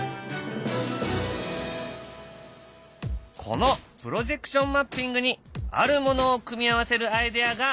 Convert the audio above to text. このプロジェクションマッピングにあるものを組み合わせるアイデアがある。